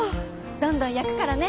どんどん焼くからね。